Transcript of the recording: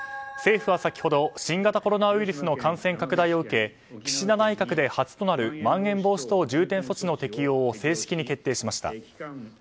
政府は先ほど新型コロナウイルスの感染拡大を受け岸田内閣で初となるまん延防止等重点措置の適用を正式に決定しました。